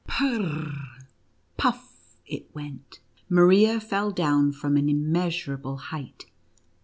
Pee — puff it went ! Maria fell down from an immeasurable height.